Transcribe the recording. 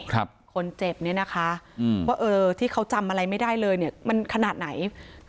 คนเจ็บนี้นะคะว่าที่เจอเจ้าจำอันไม่ได้เลยมันขนาดไหน